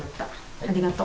ありがとう。